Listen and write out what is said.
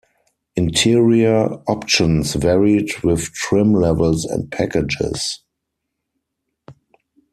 Interior options varied with trim levels and packages.